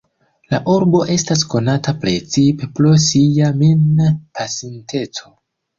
La urbo estas konata precipe pro sia min-pasinteco.